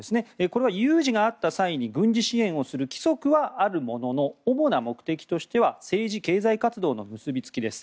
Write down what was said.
これは有事があった際に軍事支援をする規則はあるものの主な目的としては政治・経済活動の結びつきです。